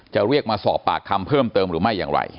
จะเรียกมาสอบปากคำเพิ่มเติมหรือไม่อย่างไร